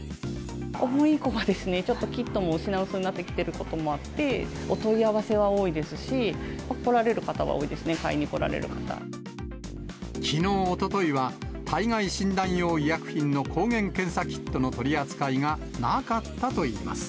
お盆以降はちょっとキットも品薄になってきていることもあって、お問い合わせは多いですし、来られる方は多いですね、きのう、おとといは、体外診断用医薬品の抗原検査キットの取り扱いがなかったといいます。